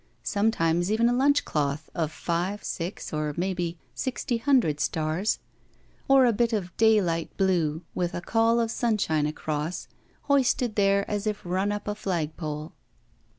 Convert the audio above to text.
Sometimes even a Itmchcloth of five, six, or maybe sixty hundred stars or a bit of daylight blue with a caul of stmshine across, hoisted there as if run up a flagpole.